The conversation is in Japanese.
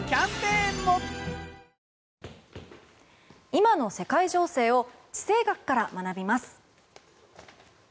今の世界情勢を地政学から学びます。